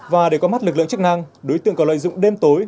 và để có mắt lực lượng chức năng đối tượng có lợi dụng đêm tối